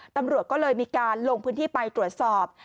ตำรวจก็เลยมีการลงพื้นที่ไปตรวจสอบ